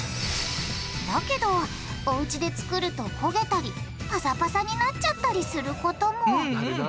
だけどおうちでつくるとこげたりパサパサになっちゃったりすることもうんうん。